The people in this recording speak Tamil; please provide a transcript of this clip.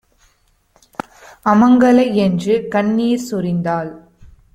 அமங்கலை" என்றுகண் ணீர்சொரிந்தாள்!